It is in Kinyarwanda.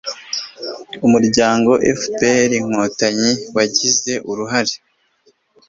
umuryango fpr-inkotanyi wagize uruhare